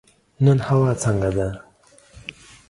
نن هوا څنګه ده؟